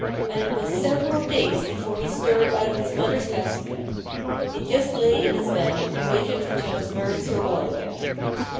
And it was several days before he stirred out of his mother's house again. He just lay in his bed and waited until his burns were well again.